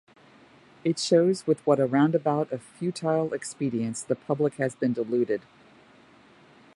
It shows with what a roundabout of futile expedients the public has been deluded.